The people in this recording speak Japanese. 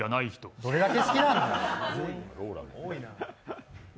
どれだけ好きなんだよ。